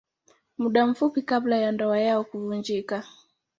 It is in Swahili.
Muda mfupi kabla ya ndoa yao kuvunjika.